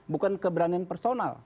bukan keberanian personal